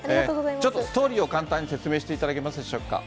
ちょっとストーリーを簡単に説明していただけますでしょうか。